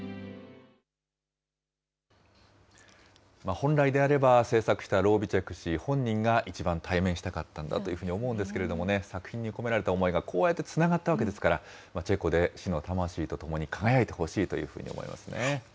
本来であれば、制作したロゥビチェク氏本人が一番対面したかったんだというふうに思うんですけれどもね、作品に込められた思いがこうやってつながったわけですから、チェコでしの魂とともに輝いてほしいというふうに思いますね。